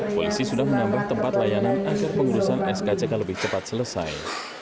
polisi sudah menambah tempat layanan agar pengurusan skck lebih cepat selesai